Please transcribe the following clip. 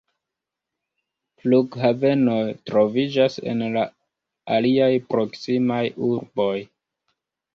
Flughavenoj troviĝas en la aliaj proksimaj urboj.